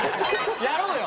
やろうよ。